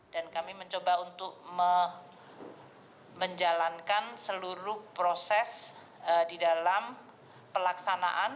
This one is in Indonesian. dan kami mencoba untuk menjalankan seluruh proses di dalam pelaksanaan